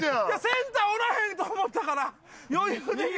センターおらへんと思ったから余裕で。